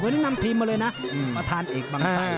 วันนี้นำทีมมาเลยนะประธานเอกบังชัย